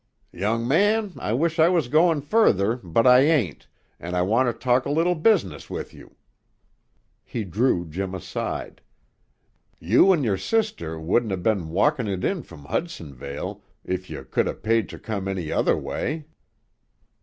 "Young man, I wish I was goin' further, but I ain't, and I want ter talk a little business with you." He drew Jim aside. "You and your sister wouldn't ha' ben walkin' it in from Hudsonvale if you could ha' paid ter come any other way."